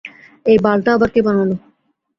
এই বালটা আবার কে বানালো।